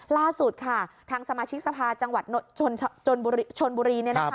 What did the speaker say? ล่าสุดค่ะทางสมาชิกสภาจังหวัดชนบุรี